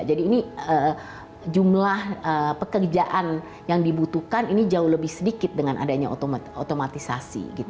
jadi ini jumlah pekerjaan yang dibutuhkan ini jauh lebih sedikit dengan adanya otomatisasi